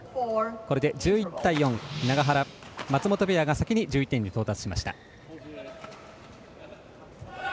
これで１１対４永原、松本ペアが先に１１点に到達しました。